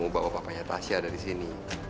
membawa papanya tasya dari sini